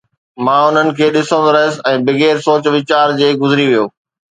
مان انهن کي ڏسندو رهيس ۽ بغير سوچ ويچار جي گذري ويو